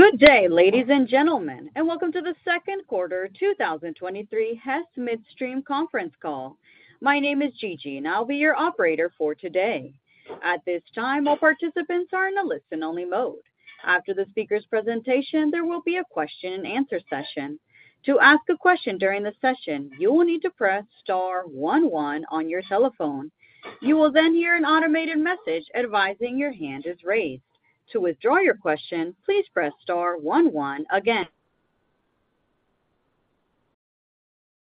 Good day, ladies and gentlemen, welcome to the second quarter 2023 Hess Midstream conference call. My name is Gigi, I'll be your operator for today. At this time, all participants are in a listen-only mode. After the speaker's presentation, there will be a question-and-answer session. To ask a question during the session, you will need to press star one one on your telephone. You will hear an automated message advising your hand is raised. To withdraw your question, please press star one one again.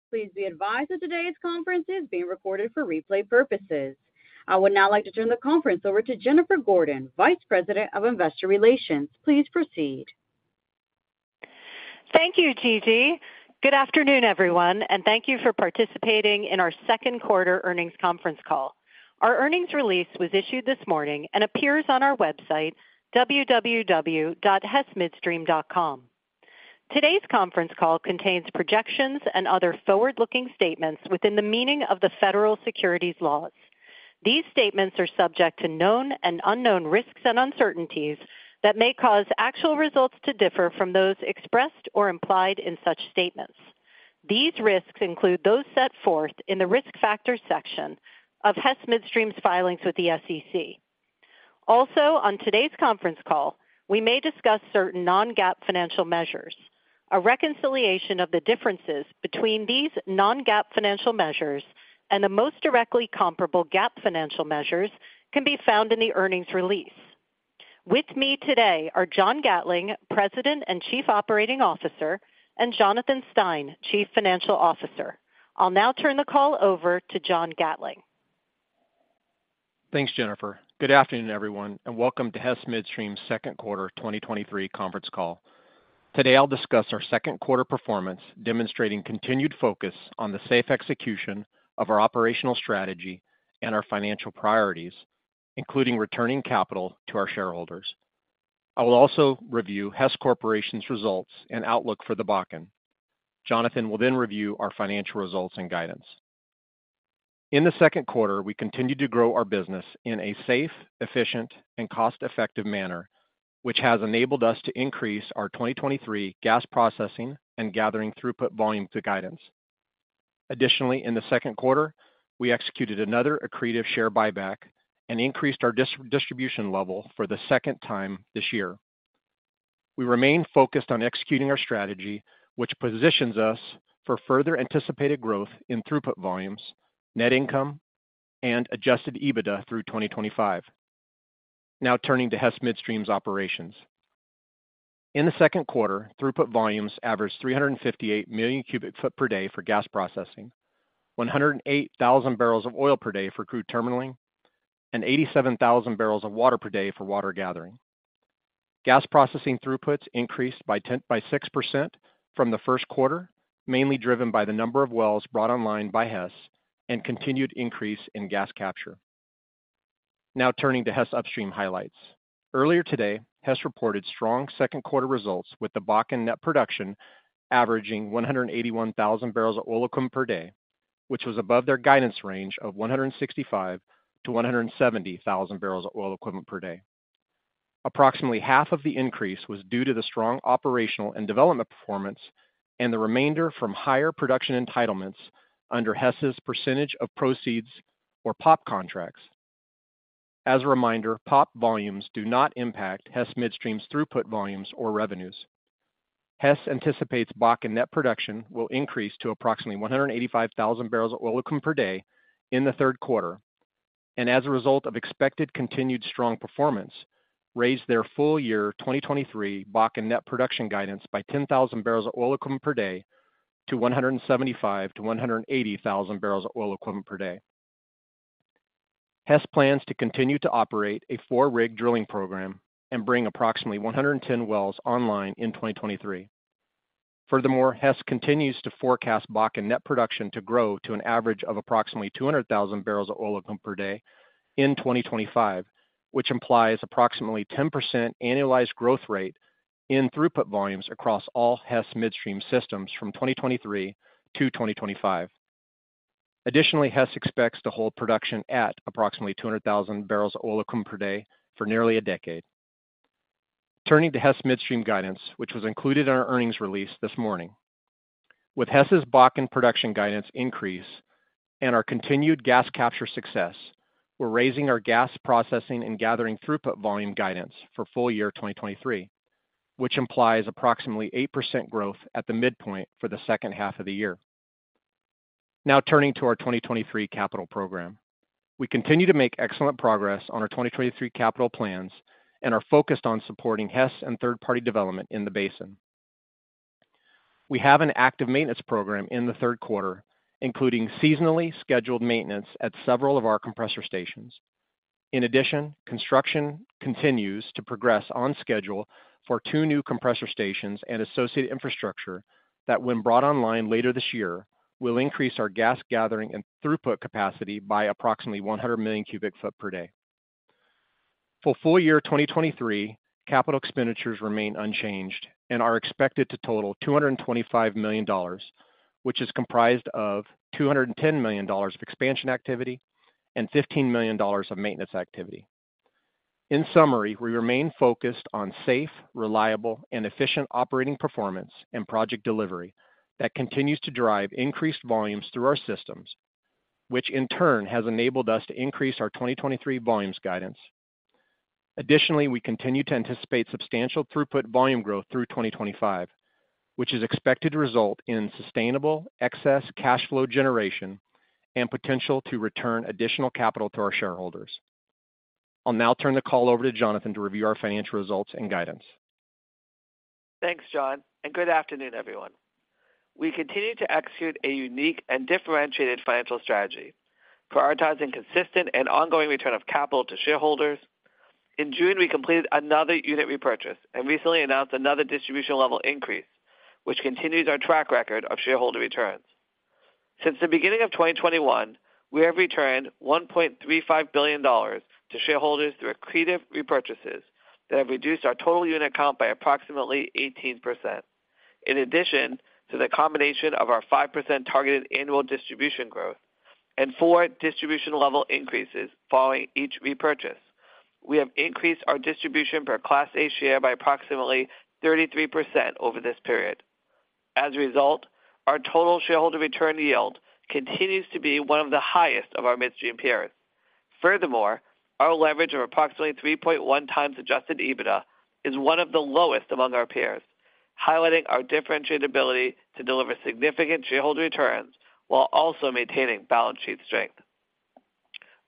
Please be advised that today's conference is being recorded for replay purposes. I would now like to turn the conference over to Jennifer Gordon, Vice President of Investor Relations. Please proceed. Thank you, Gigi. Good afternoon, everyone, and thank you for participating in our second quarter earnings conference call. Our earnings release was issued this morning and appears on our website, www.hessmidstream.com. Today's conference call contains projections and other forward-looking statements within the meaning of the federal securities laws. These statements are subject to known and unknown risks and uncertainties that may cause actual results to differ from those expressed or implied in such statements. These risks include those set forth in the Risk Factors section of Hess Midstream's filings with the SEC. On today's conference call, we may discuss certain non-GAAP financial measures. A reconciliation of the differences between these non-GAAP financial measures and the most directly comparable GAAP financial measures can be found in the earnings release. With me today are John Gatling, President and Chief Operating Officer, and Jonathan Stein, Chief Financial Officer. I'll now turn the call over to John Gatling. Thanks, Jennifer. Good afternoon, everyone, and welcome to Hess Midstream's second-quarter 2023 conference call. Today, I'll discuss our second-quarter performance, demonstrating continued focus on the safe execution of our operational strategy and our financial priorities, including returning capital to our shareholders. I will also review Hess Corporation's results and outlook for the Bakken. Jonathan will then review our financial results and guidance. In the second quarter, we continued to grow our business in a safe, efficient, and cost-effective manner, which has enabled us to increase our 2023 gas processing and gathering throughput volume to guidance. Additionally, in the second quarter, we executed another accretive share buyback and increased our distribution level for the second time this year. We remain focused on executing our strategy, which positions us for further anticipated growth in throughput volumes, net income, and Adjusted EBITDA through 2025. Turning to Hess Midstream's operations. In the second quarter, throughput volumes averaged 358 million cubic foot per day for gas processing, 108,000 barrels of oil per day for crude terminaling, and 87,000 barrels of water per day for water gathering. Gas processing throughputs increased by 6% from the first quarter, mainly driven by the number of wells brought online by Hess and continued increase in gas capture. Turning to Hess upstream highlights. Earlier today, Hess reported strong second-quarter results, with the Bakken net production averaging 181,000 barrels of oil equivalent per day, which was above their guidance range of 165,000-170,000 barrels of oil equivalent per day. Approximately half of the increase was due to the strong operational and development performance, and the remainder from higher production entitlements under Hess's percentage of proceeds or POP contracts. As a reminder, POP volumes do not impact Hess Midstream's throughput volumes or revenues. Hess anticipates Bakken net production will increase to approximately 185,000 barrels of oil equivalent per day in the third quarter, and as a result of expected continued strong performance, raised their full year 2023 Bakken net production guidance by 10,000 barrels of oil equivalent per day to 175,000-180,000 barrels of oil equivalent per day. Hess plans to continue to operate a four-rig drilling program and bring approximately 110 wells online in 2023. Furthermore, Hess continues to forecast Bakken net production to grow to an average of approximately 200,000 barrels of oil equivalent per day in 2025, which implies approximately 10% annualized growth rate in throughput volumes across all Hess Midstream systems from 2023 to 2025. Additionally, Hess expects to hold production at approximately 200,000 barrels of oil equivalent per day for nearly a decade. Turning to Hess Midstream guidance, which was included in our earnings release this morning. With Hess's Bakken production guidance increase and our continued gas capture success, we're raising our gas processing and gathering throughput volume guidance for full year 2023, which implies approximately 8% growth at the midpoint for the second half of the year. Turning to our 2023 capital program. We continue to make excellent progress on our 2023 capital plans and are focused on supporting Hess and third-party development in the basin. We have an active maintenance program in the third quarter, including seasonally scheduled maintenance at several of our compressor stations. In addition, construction continues to progress on schedule for two new compressor stations and associated infrastructure that, when brought online later this year, will increase our gas gathering and throughput capacity by approximately 100 million cubic foot per day. For full year 2023, capital expenditures remain unchanged and are expected to total $225 million, which is comprised of $210 million of expansion activity and $15 million of maintenance activity. In summary, we remain focused on safe, reliable, and efficient operating performance and project delivery that continues to drive increased volumes through our systems, which in turn has enabled us to increase our 2023 volumes guidance. Additionally, we continue to anticipate substantial throughput volume growth through 2025, which is expected to result in sustainable excess cash flow generation and potential to return additional capital to our shareholders. I'll now turn the call over to Jonathan to review our financial results and guidance. Thanks, John. Good afternoon, everyone. We continue to execute a unique and differentiated financial strategy, prioritizing consistent and ongoing return of capital to shareholders. In June, we completed another unit repurchase and recently announced another distribution level increase, which continues our track record of shareholder returns. Since the beginning of 2021, we have returned $1.35 billion to shareholders through accretive repurchases that have reduced our total unit count by approximately 18%. In addition to the combination of our 5% targeted annual distribution growth and four distribution level increases following each repurchase, we have increased our distribution per Class A share by approximately 33% over this period. As a result, our total shareholder return yield continues to be one of the highest of our midstream peers. Furthermore, our leverage of approximately 3.1 times Adjusted EBITDA is one of the lowest among our peers, highlighting our differentiated ability to deliver significant shareholder returns while also maintaining balance sheet strength.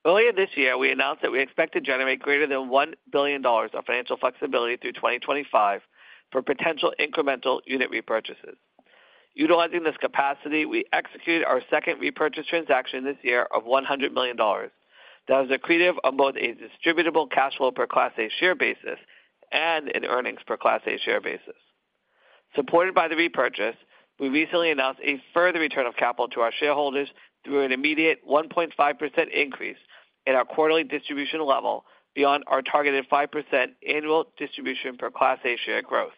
Earlier this year, we announced that we expect to generate greater than $1 billion of financial flexibility through 2025 for potential incremental unit repurchases. Utilizing this capacity, we executed our second repurchase transaction this year of $100 million. That was accretive on both a Distributable Cash Flow per Class A share basis and an earnings per Class A share basis. Supported by the repurchase, we recently announced a further return of capital to our shareholders through an immediate 1.5% increase in our quarterly distribution level beyond our targeted 5% annual distribution per Class A share growth.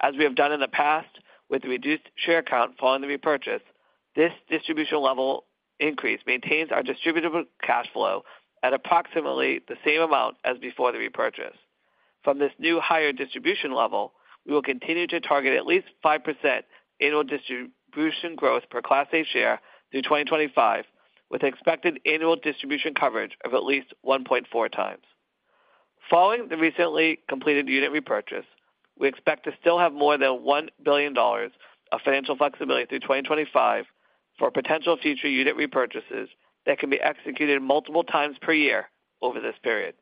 As we have done in the past with reduced share count following the repurchase, this distribution level increase maintains our Distributable Cash Flow at approximately the same amount as before the repurchase. From this new higher distribution level, we will continue to target at least 5% annual distribution growth per Class A share through 2025, with expected annual distribution coverage of at least 1.4 times. Following the recently completed unit repurchase, we expect to still have more than $1 billion of financial flexibility through 2025 for potential future unit repurchases that can be executed multiple times per year over this period.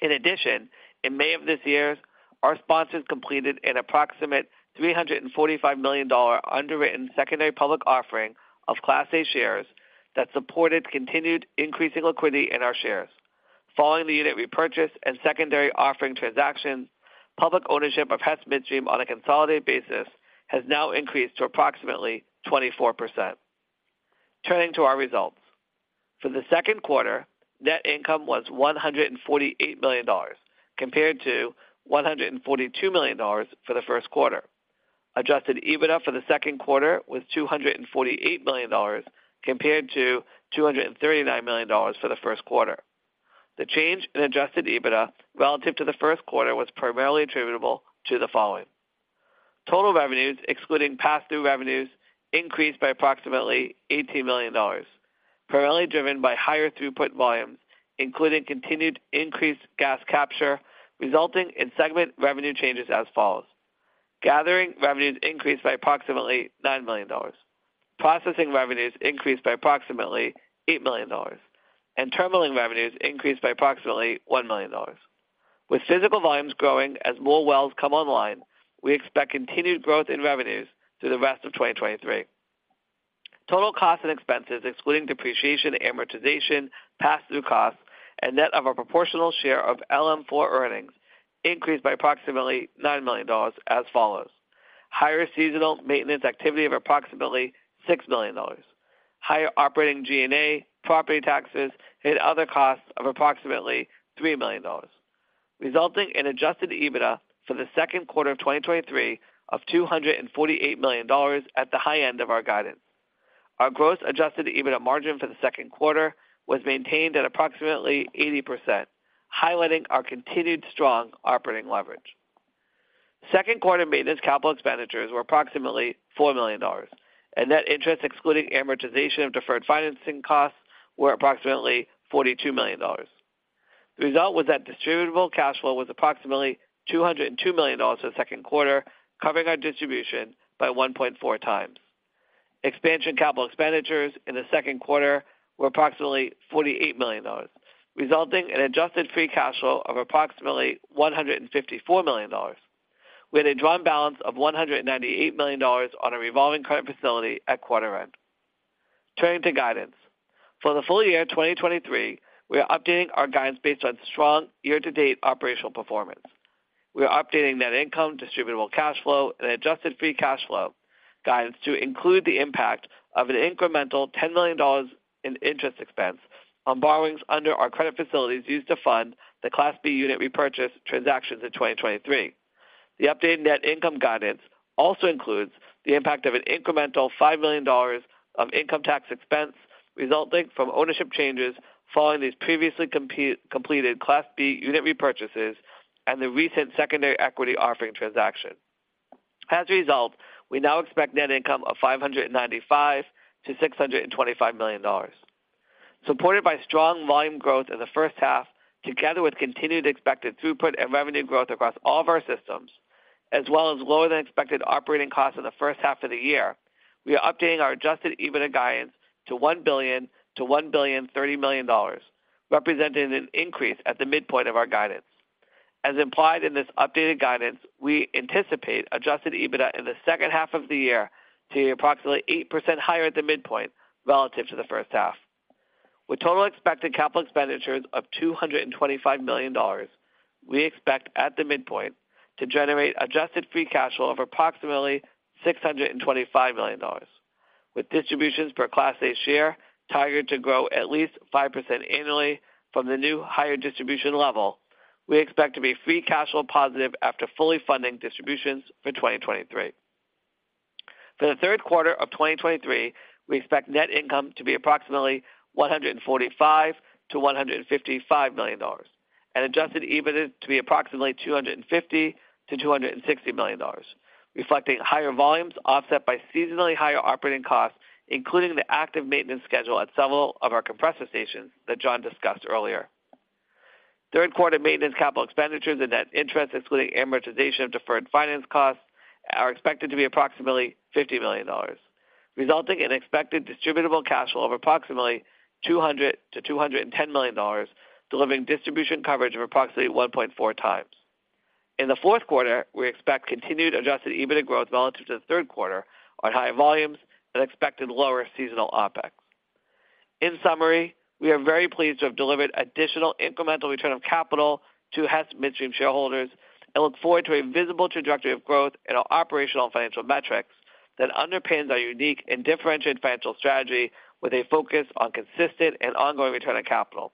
In addition, in May of this year, our sponsors completed an approximate $345 million underwritten secondary public offering of Class A shares that supported continued increasing liquidity in our shares. Following the unit repurchase and secondary offering transactions, public ownership of Hess Midstream on a consolidated basis has now increased to approximately 24%. Turning to our results. For the second quarter, net income was $148 million, compared to $142 million for the first quarter. Adjusted EBITDA for the second quarter was $248 million, compared to $239 million for the first quarter. The change in Adjusted EBITDA relative to the first quarter was primarily attributable to the following: total revenues, excluding pass-through revenues, increased by approximately $18 million, primarily driven by higher throughput volumes, including continued increased gas capture, resulting in segment revenue changes as follows. Gathering revenues increased by approximately $9 million, processing revenues increased by approximately $8 million, and terminalling revenues increased by approximately $1 million. With physical volumes growing as more wells come online, we expect continued growth in revenues through the rest of 2023. Total costs and expenses, excluding depreciation, amortization, pass-through costs, and net of a proportional share of LM4 earnings, increased by approximately $9 million as follows: Higher seasonal maintenance activity of approximately $6 million, higher operating G&A, property taxes, and other costs of approximately $3 million, resulting in Adjusted EBITDA for the second quarter of 2023 of $248 million at the high end of our guidance. Our gross Adjusted EBITDA margin for the second quarter was maintained at approximately 80%, highlighting our continued strong operating leverage. Second quarter maintenance capital expenditures were approximately $4 million, and net interest, excluding amortization of deferred financing costs, were approximately $42 million. The result was that Distributable Cash Flow was approximately $202 million for the second quarter, covering our distribution by 1.4 times. Expansion capital expenditures in the second quarter were approximately $48 million, resulting in Adjusted Free Cash Flow of approximately $154 million, with a drawn balance of $198 million on a revolving credit facility at quarter end. Turning to guidance. For the full year 2023, we are updating our guidance based on strong year-to-date operational performance. We are updating net income, Distributable Cash Flow, and Adjusted Free Cash Flow guidance to include the impact of an incremental $10 million in interest expense on borrowings under our credit facilities used to fund the Class B unit repurchase transactions in 2023.... The updated net income guidance also includes the impact of an incremental $5 million of income tax expense, resulting from ownership changes following these previously completed Class B unit repurchases and the recent secondary equity offering transaction. As a result, we now expect net income of $595 million-$625 million. Supported by strong volume growth in the first half, together with continued expected throughput and revenue growth across all of our systems, as well as lower than expected operating costs in the first half of the year, we are updating our Adjusted EBITDA guidance to $1 billion-$1.03 billion, representing an increase at the midpoint of our guidance. As implied in this updated guidance, we anticipate Adjusted EBITDA in the second half of the year to be approximately 8% higher at the midpoint relative to the first half. With total expected capital expenditures of $225 million, we expect, at the midpoint, to generate Adjusted Free Cash Flow of approximately $625 million, with distributions per Class A share targeted to grow at least 5% annually from the new higher distribution level. We expect to be free cash flow positive after fully funding distributions for 2023. For the third quarter of 2023, we expect net income to be approximately $145 million-$155 million and Adjusted EBITDA to be approximately $250 million-$260 million, reflecting higher volumes offset by seasonally higher operating costs, including the active maintenance schedule at several of our compressor stations that John discussed earlier. Third quarter maintenance, capital expenditures, and net interest, including amortization of deferred finance costs, are expected to be approximately $50 million, resulting in expected Distributable Cash Flow of approximately $200 million-$210 million, delivering distribution coverage of approximately 1.4 times. In the fourth quarter, we expect continued Adjusted EBITDA growth relative to the third quarter on higher volumes and expected lower seasonal OpEx. In summary, we are very pleased to have delivered additional incremental return of capital to Hess Midstream shareholders and look forward to a visible trajectory of growth in our operational and financial metrics that underpins our unique and differentiated financial strategy with a focus on consistent and ongoing return on capital.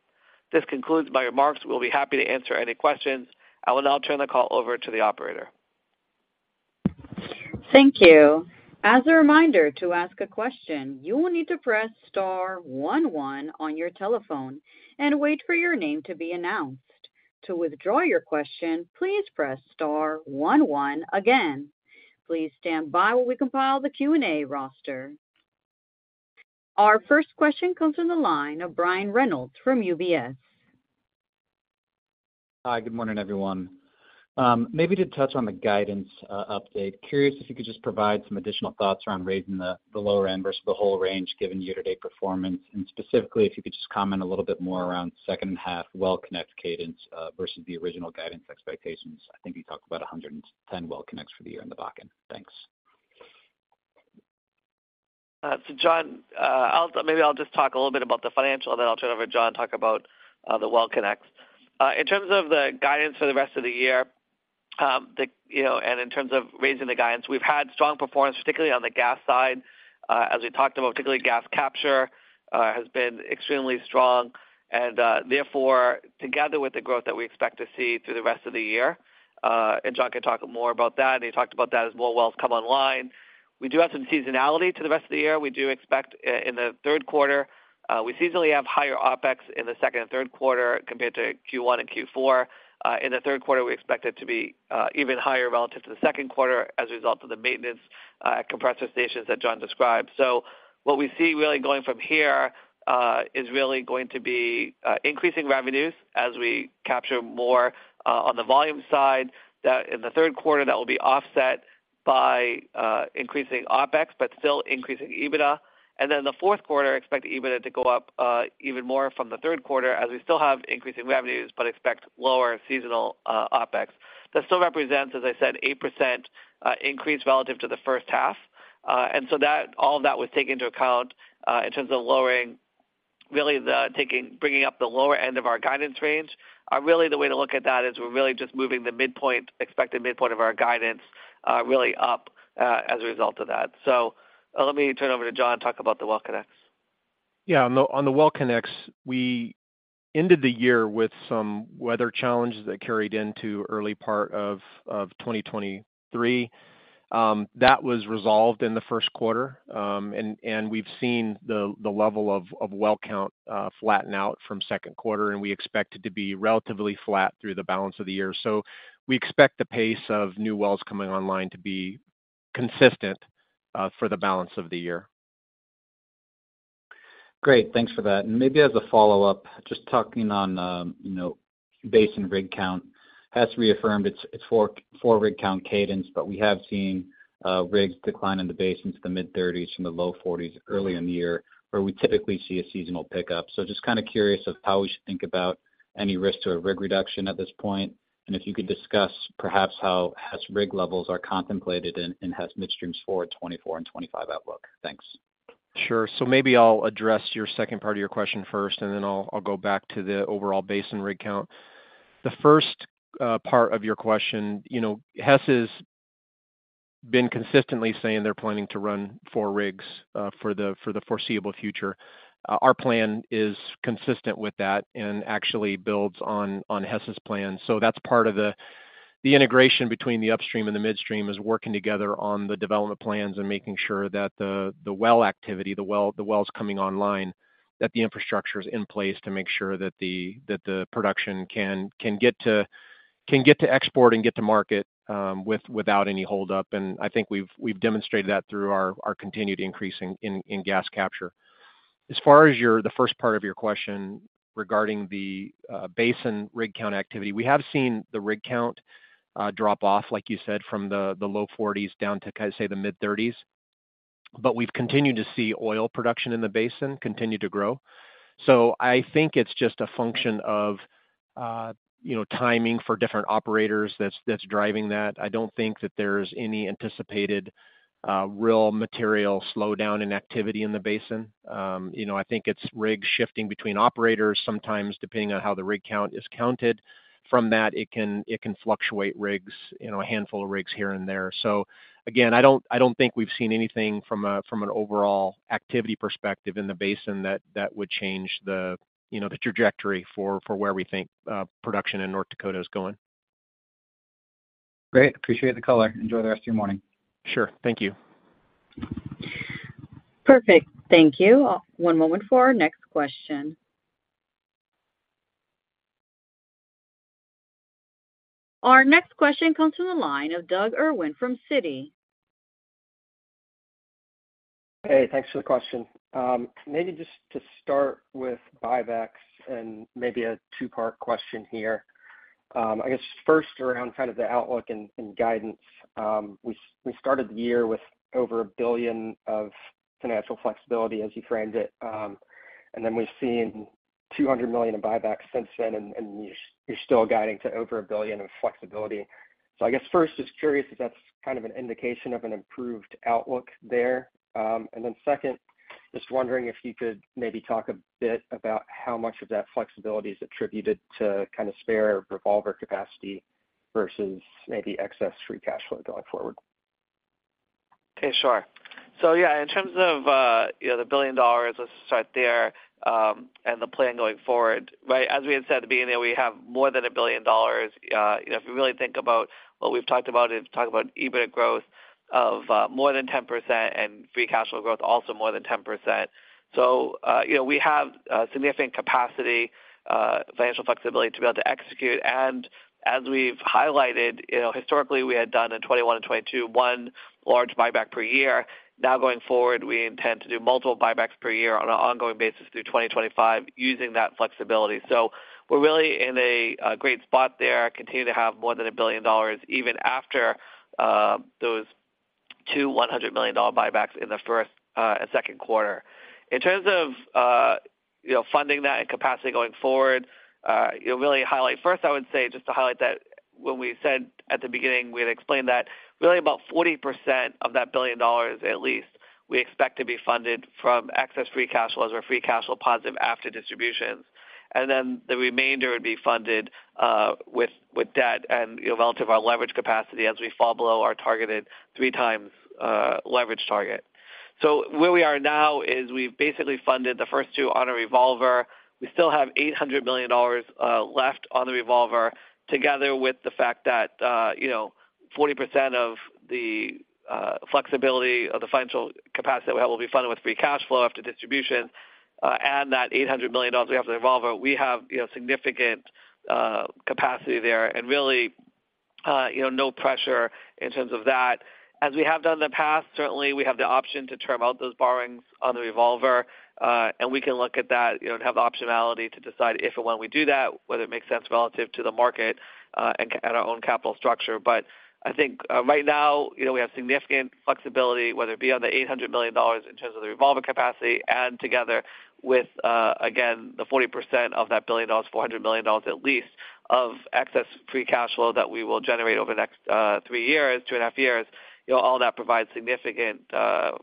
This concludes my remarks. We'll be happy to answer any questions. I will now turn the call over to the operator. Thank you. As a reminder, to ask a question, you will need to press star one one on your telephone and wait for your name to be announced. To withdraw your question, please press star one one again. Please stand by while we compile the Q&A roster. Our first question comes from the line of Brandon Reynolds from UBS. Hi, good morning, everyone. Maybe to touch on the guidance update, curious if you could just provide some additional thoughts around raising the lower end versus the whole range, given year-to-date performance, and specifically, if you could just comment a little bit more around second half well connect cadence versus the original guidance expectations. I think you talked about 110 well connects for the year in the Bakken. Thanks. John, maybe I'll just talk a little bit about the financial, and then I'll turn it over to John to talk about the well connects. In terms of the guidance for the rest of the year, in terms of raising the guidance, we've had strong performance, particularly on the gas side. As we talked about, particularly gas capture, has been extremely strong and, therefore, together with the growth that we expect to see through the rest of the year, John can talk more about that, and he talked about that as more wells come online. We do have some seasonality to the rest of the year. We do expect in the third quarter, we seasonally have higher OpEx in the second and third quarter compared to Q1 and Q4. In the third quarter, we expect it to be even higher relative to the second quarter as a result of the maintenance at compressor stations that John described. What we see really going from here is really going to be increasing revenues as we capture more on the volume side, that in the third quarter, that will be offset by increasing OpEx, but still increasing EBITDA. In the fourth quarter, expect EBITDA to go up even more from the third quarter as we still have increasing revenues but expect lower seasonal OpEx. That still represents, as I said, 8% increase relative to the first half. All of that was taken into account in terms of lowering, bringing up the lower end of our guidance range. Really, the way to look at that is we're really just moving the midpoint, expected midpoint of our guidance, really up, as a result of that. Let me turn it over to John to talk about the well connects. Yeah. On the Well-Connects, we ended the year with some weather challenges that carried into early part of 2023. That was resolved in the first quarter, and we've seen the level of well count flatten out from second quarter, and we expect it to be relatively flat through the balance of the year. We expect the pace of new wells coming online to be consistent for the balance of the year. Great. Thanks for that. Maybe as a follow-up, just talking on, you know, basin rig count, has reaffirmed its four rig count cadence, but we have seen rigs decline in the basin to the mid-30s from the low 40s earlier in the year, where we typically see a seasonal pickup. Just kind of curious of how we should think about any risk to a rig reduction at this point, and if you could discuss perhaps how Hess rig levels are contemplated in Hess Midstream's forward 2024 and 2025 outlook. Thanks. Sure. Maybe I'll address your second part of your question first, then I'll go back to the overall basin rig count. The first part of your question, you know, Hess has been consistently saying they're planning to run four rigs for the foreseeable future. Our plan is consistent with that and actually builds on Hess's plan. That's part of the integration between the upstream and the midstream, is working together on the development plans and making sure that the well activity, the wells coming online, that the infrastructure is in place to make sure that the production can get to export and get to market without any hold up. I think we've demonstrated that through our continued increase in gas capture. As far as the first part of your question regarding the basin rig count activity, we have seen the rig count drop off, like you said, from the low 40s down to kind of, say, the mid-30s. We've continued to see oil production in the basin continue to grow. I think it's just a function of, you know, timing for different operators that's driving that. I don't think that there's any anticipated real material slowdown in activity in the basin. You know, I think it's rigs shifting between operators, sometimes depending on how the rig count is counted. From that, it can fluctuate rigs, you know, a handful of rigs here and there. I don't think we've seen anything from an overall activity perspective in the basin that would change the, you know, the trajectory for where we think production in North Dakota is going. Great. Appreciate the color. Enjoy the rest of your morning. Sure. Thank you. Perfect. Thank you. One moment for our next question. Our next question comes from the line of Doug Irwin from Citi. Hey, thanks for the question. Maybe just to start with buybacks and maybe a two-part question here. I guess first around kind of the outlook and guidance. We started the year with over $1 billion of financial flexibility, as you framed it. Then we've seen $200 million in buybacks since then, and you're still guiding to over $1 billion in flexibility. I guess first, just curious if that's kind of an indication of an improved outlook there? Then second, just wondering if you could maybe talk a bit about how much of that flexibility is attributed to kind of spare revolver capacity versus maybe excess free cash flow going forward. Okay, sure. Yeah, in terms of, you know, the $1 billion, let's start there, and the plan going forward, right? As we had said at the beginning, we have more than $1 billion. You know, if you really think about what we've talked about, is talked about EBIT growth of more than 10% and free cash flow growth also more than 10%. You know, we have significant capacity, financial flexibility to be able to execute. As we've highlighted, you know, historically, we had done in 2021 and 2022, one large buyback per year. Now, going forward, we intend to do multiple buybacks per year on an ongoing basis through 2025, using that flexibility. We're really in a great spot there, continue to have more than $1 billion, even after those two $100 million buybacks in the first and second quarter. In terms of, you know, funding that and capacity going forward, you know, first, I would say, just to highlight that when we said at the beginning, we had explained that really about 40% of that $1 billion, at least, we expect to be funded from excess free cash flows or free cash flow positive after distributions. The remainder would be funded with debt and, you know, relative our leverage capacity as we fall below our targeted three times leverage target. Where we are now is we've basically funded the first two on a revolver. We still have $800 million left on the revolver, together with the fact that, you know, 40% of the flexibility of the financial capacity that we have will be funded with free cash flow after distribution, and that $800 million we have the revolver. We have, you know, significant capacity there and really, you know, no pressure in terms of that. As we have done in the past, certainly, we have the option to term out those borrowings on the revolver, and we can look at that, you know, and have the optionality to decide if and when we do that, whether it makes sense relative to the market, and our own capital structure. I think, you know, we have significant flexibility, whether it be on the $800 million in terms of the revolver capacity and together with, again, the 40% of that $1 billion, $400 million at least, of excess free cash flow that we will generate over the next three years, two and a half years. You know, all that provides significant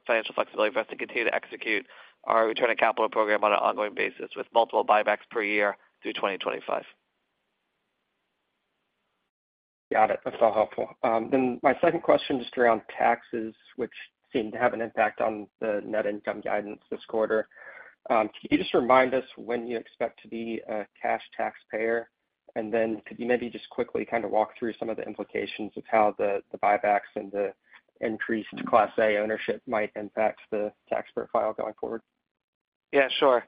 financial flexibility for us to continue to execute our return on capital program on an ongoing basis with multiple buybacks per year through 2025. Got it. That's all helpful. My second question, just around taxes, which seem to have an impact on the net income guidance this quarter. Can you just remind us when you expect to be a cash taxpayer? Could you maybe just quickly kind of walk through some of the implications of how the buybacks and the increased Class A ownership might impact the tax profile going forward? Yeah, sure.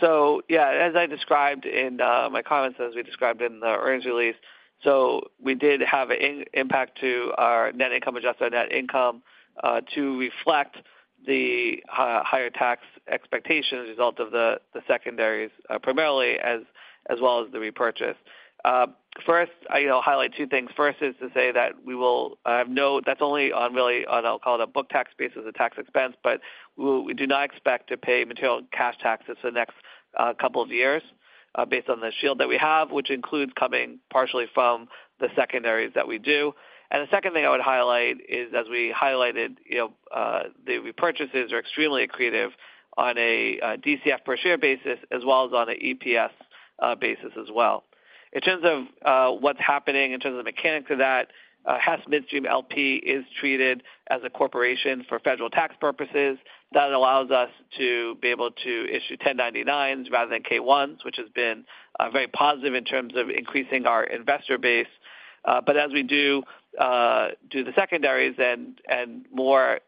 As I described in my comments, as we described in the earnings release, we did have an impact to our net income, adjusted net income, to reflect the higher tax expectations as a result of the secondaries, primarily as well as the repurchase. First, I, you know, highlight two things. First is to say that we will have that's only on really, on, I'll call it, a book tax basis, a tax expense, but we do not expect to pay material cash taxes the next couple of years, based on the shield that we have, which includes coming partially from the secondaries that we do. The second thing I would highlight is, as we highlighted, you know, the repurchases are extremely accretive on a DCF per share basis, as well as on an EPS basis as well. In terms of what's happening, in terms of the mechanics of that, Hess Midstream LP is treated as a corporation for federal tax purposes. That allows us to be able to issue 1099s rather than K-1s, which has been very positive in terms of increasing our investor base. As we do the secondaries and more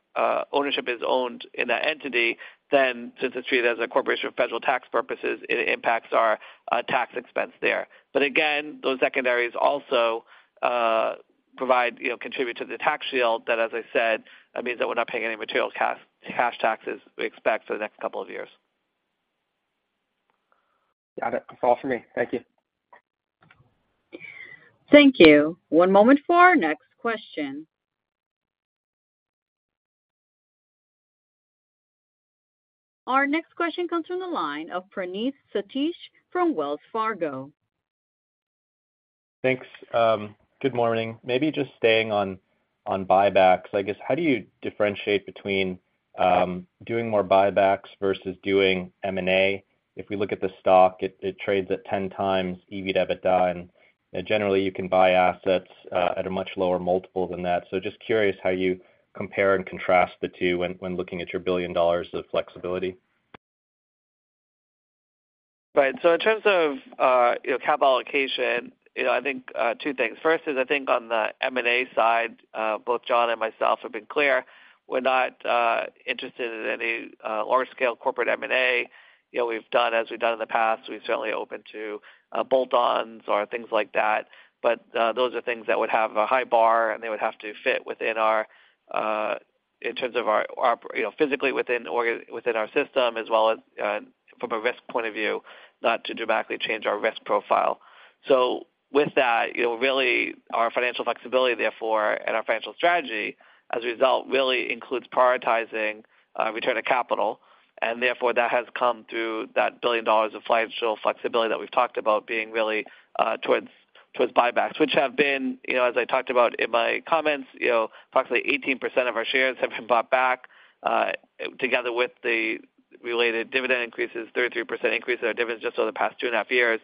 ownership is owned in that entity, then since it's treated as a corporation for federal tax purposes, it impacts our tax expense there. Again, those secondaries also provide, you know, contribute to the tax shield that, as I said, that means that we're not paying any material cash taxes, we expect, for the next couple of years. Got it. That's all for me. Thank you. Thank you. One moment for our next question. Our next question comes from the line of Praneeth Satish from Wells Fargo. Thanks. Good morning. Maybe just staying on buybacks, I guess, how do you differentiate between doing more buybacks versus doing M&A? If we look at the stock, it trades at 10 times EBITDA, and generally, you can buy assets at a much lower multiple than that. Just curious how you compare and contrast the two when looking at your $1 billion of flexibility. Right. In terms of, you know, capital allocation, you know, I think two things. First is, I think on the M&A side, both John and myself have been clear, we're not interested in any large-scale corporate M&A. You know, as we've done in the past, we're certainly open to bolt-ons or things like that, but those are things that would have a high bar, and they would have to fit within our in terms of our, you know, physically within our system, as well as from a risk point of view, not to dramatically change our risk profile. With that, you know, really, our financial flexibility, therefore, and our financial strategy, as a result, really includes prioritizing return of capital, and therefore, that has come through that $1 billion of financial flexibility that we've talked about being really towards buybacks. Which have been, you know, as I talked about in my comments, you know, approximately 18% of our shares have been bought back together with the related dividend increases, 33% increase in our dividends just over the past two and a half years.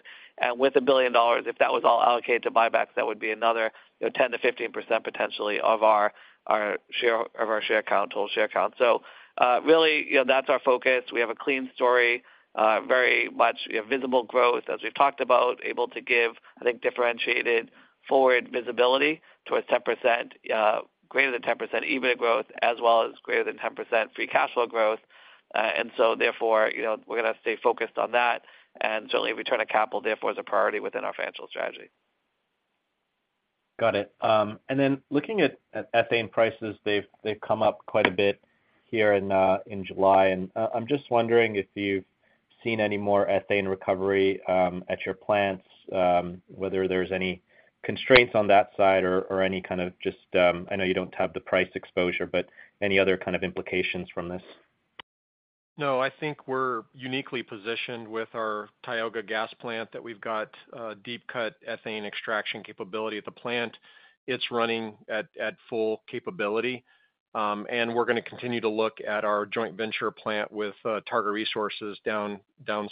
With a $1 billion, if that was all allocated to buybacks, that would be another, you know, 10%-15% potentially of our share count, total share count. Really, you know, that's our focus. We have a clean story, very much, you know, visible growth, as we've talked about, able to give, I think, differentiated forward visibility towards 10%, greater than 10% EBIT growth, as well as greater than 10% free cash flow growth. Therefore, you know, we're gonna stay focused on that, and certainly return of capital, therefore, is a priority within our financial strategy. Got it. Looking at ethane prices, they've come up quite a bit here in July. I'm just wondering if you've seen any more ethane recovery at your plants, whether there's any constraints on that side or any kind of just, I know you don't have the price exposure, but any other kind of implications from this? No, I think we're uniquely positioned with our Tioga Gas Plant, that we've got deep cut ethane extraction capability at the plant. It's running at full capability. We're gonna continue to look at our joint venture plant with Targa Resources down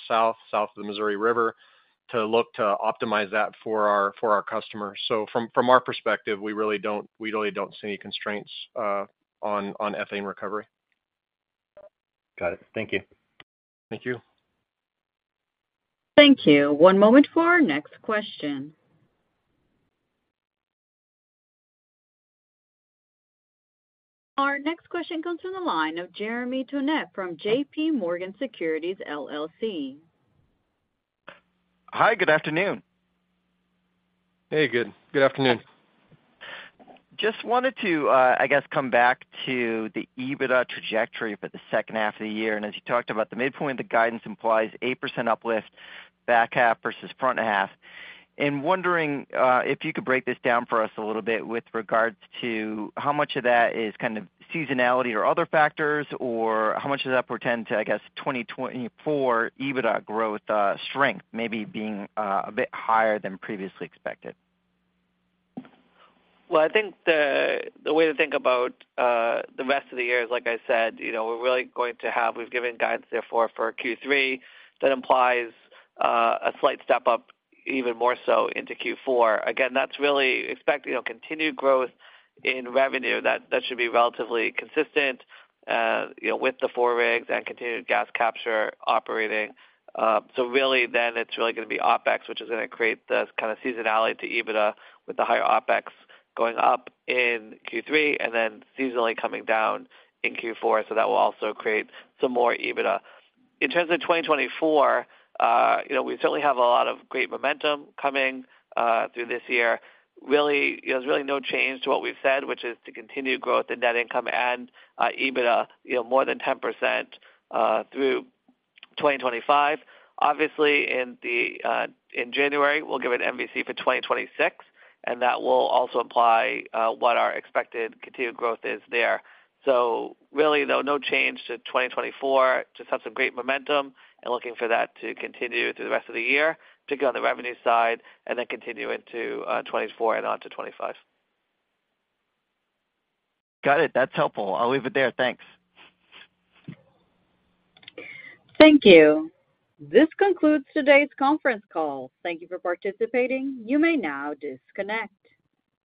south of the Missouri River, to look to optimize that for our customers. From our perspective, we really don't see any constraints on ethane recovery. Got it. Thank you. Thank you. Thank you. One moment for our next question. Our next question comes from the line of Jeremy Tonet from JPMorgan Securities LLC. Hi, good afternoon. Hey, good. Good afternoon. Just wanted to, I guess, come back to the EBITDA trajectory for the second half of the year. As you talked about, the midpoint of the guidance implies 8% uplift back half versus front half. Wondering, if you could break this down for us a little bit with regards to how much of that is kind of seasonality or other factors, or how much of that portend to, I guess, 2024 EBITDA growth, strength maybe being, a bit higher than previously expected? Well, I think the way to think about the rest of the year, like I said, you know, we've given guidance therefore for Q3 that implies a slight step up, even more so into Q4. Again, that's really expect, you know, continued growth in revenue. That should be relatively consistent, you know, with the four rigs and continued gas capture operating. Really then, it's really gonna be OpEx, which is gonna create the kind of seasonality to EBITDA, with the higher OpEx going up in Q3 and then seasonally coming down in Q4. That will also create some more EBITDA. In terms of 2024, you know, we certainly have a lot of great momentum coming through this year. There's really no change to what we've said, which is to continue growth in net income and EBITDA, you know, more than 10% through 2025. Obviously, in January, we'll give an MVC for 2026, and that will also apply what our expected continued growth is there. Really, no change to 2024. Just have some great momentum and looking for that to continue through the rest of the year, particularly on the revenue side, and then continue into 2024 and on to 2025. Got it. That's helpful. I'll leave it there. Thanks. Thank you. This concludes today's conference call. Thank you for participating. You may now disconnect.